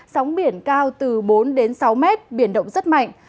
sóng biển cao từ bốn đến sáu mét biển động rất mạnh